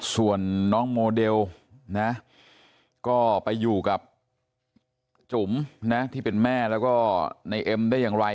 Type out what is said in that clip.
ส่วนน้องโมเดลนะก็ไปอยู่กับจุ๋มนะที่เป็นแม่แล้วก็ในเอ็มได้อย่างไร